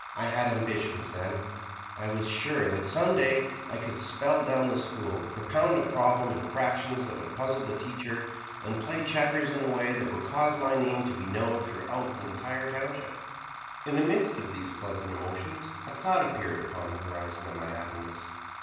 I had ambitions then I was sure that some day I could spell down the school, propound a problem in fractions that would puzzle the teacher, and play checkers in a way that would cause my name to be known throughout the entire township. In the midst of these pleasant emotions, a cloud appeared upon the horizon of my happiness.